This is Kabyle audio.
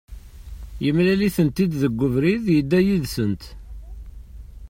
Yemlal-itent-id deg ubrid, yedda yid-sent